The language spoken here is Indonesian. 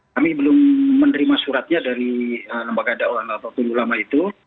kami belum menerima suratnya dari lembaga dakwaan apapun ulama itu